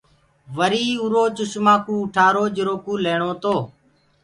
وري اُرو چشمآ ڪوُ اُٺآرو جِرو ڪُو ليڻو تو۔